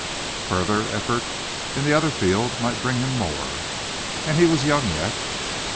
Further effort in the other field might bring him more. And he was young yet.